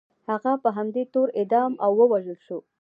هغه په همدې تور اعدام او ووژل شو.